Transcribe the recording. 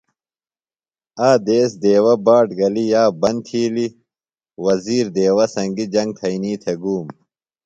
آ دیس دیوہ باٹ گلیۡ یاب بند تِھیلیۡ۔ وزیر دیوہ سنگیۡ جنگ تھئینی تھےۡ گُوم.